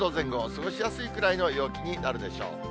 過ごしやすいくらいの陽気になるでしょう。